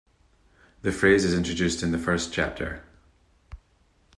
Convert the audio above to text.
The phrase is introduced in the first chapter.